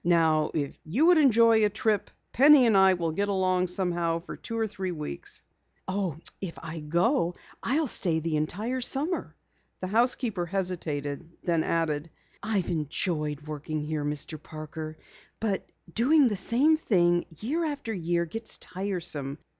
"Now if you would enjoy a trip, Penny and I will get along somehow for two or three weeks." "Oh, if I go, I'll stay the entire summer." The housekeeper hesitated, then added: "I've enjoyed working here, Mr. Parker, but doing the same thing year after year gets tiresome.